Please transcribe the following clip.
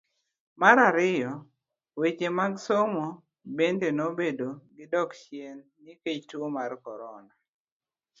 Mar ariyo, weche mag somo bende nobedo gi dok chien nikech tuo mar korona.